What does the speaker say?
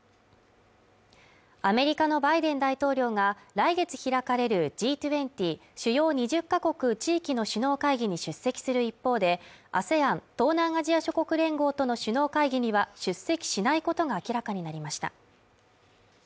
アメリカのバイデン大統領が来月開かれるＧ２０＝主要２０か国地域の首脳会議に出席する一方でＡＳＥＡＮ＝東南アジア諸国連合との首脳会議には出席しないことが明らかになりました